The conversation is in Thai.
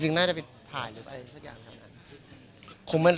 จริงน่าจะไปถ่ายหรืออะไรสักอย่างครับ